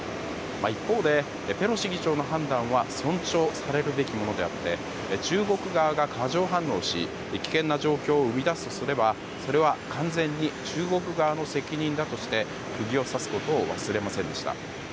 一方で、ペロシ議長の判断は尊重されるべきものであって中国側が過剰反応し、危険な状況を生み出す恐れは、それは完全に中国側の責任だとして釘を刺すことを忘れませんでした。